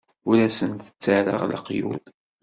Ur asent-ttarraɣ leqyud.